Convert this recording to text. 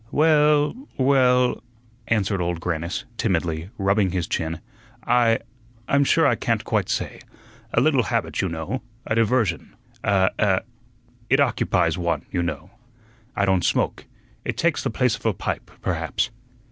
"Well, well," answered Old Grannis, timidly, rubbing his chin, "I I'm sure I can't quite say; a little habit, you know; a diversion, a a it occupies one, you know. I don't smoke; it takes the place of a pipe, perhaps."